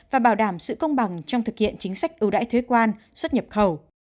và bảo đảm sự công bằng trong thực hiện chính sách ưu đãi thuế quan xuất nhập khẩu